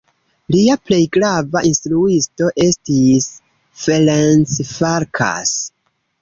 Lia plej grava instruisto estis Ferenc Farkas.